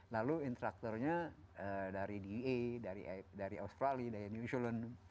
lalu interaktornya dari da dari australia dari new zealand